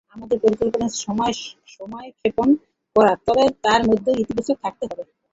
আমাদের পরিকল্পনা ছিল সময়ক্ষেপণ করা, তবে তার মধ্যেও ইতিবাচক থাকতে হবে।